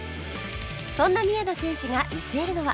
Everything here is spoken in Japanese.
そんな三枝選手が見据えるのは？